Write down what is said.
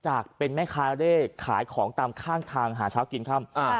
จากเป็นแม่ค้าได้แล้วได้ขายของตามข้างหาเช้ากินคำ